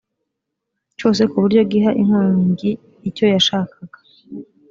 cyose ku buryo giha inkongi icyo yashakaga